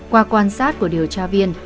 qua quan sát của điều tra viên